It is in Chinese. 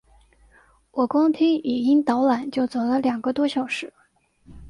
我光听语音导览就走了两个多小时